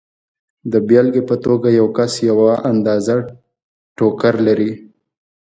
د بېلګې په توګه یو کس یوه اندازه ټوکر لري